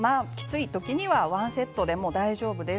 きつい時には１セットでも大丈夫です。